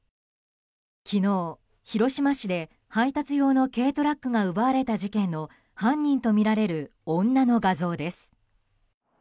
昨日、広島市で配達用の軽トラックが奪われた事件の犯人とみられる女の画像です。